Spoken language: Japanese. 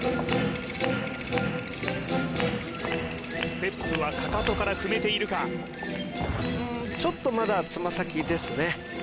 ステップはかかとから踏めているかちょっとまだつま先ですね